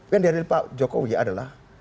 yang dihadiri pak jokowi adalah